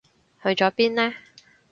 去咗邊呢？